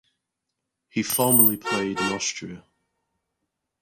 He formerly played in Austria.